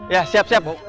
ya siap siap mbak